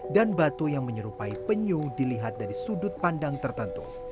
dan batu yang menyerupai penyu dilihat dari sudut pandang tertentu